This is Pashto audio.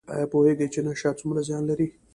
ایا پوهیږئ چې نشه څومره زیان لري؟